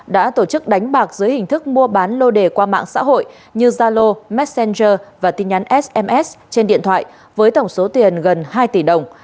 đã tổ chức đánh bạc dưới hình thức mua bán lô đề qua mạng xã hội như zalo messenger và tin nhắn sms trên điện thoại với tổng số tiền gần hai tỷ đồng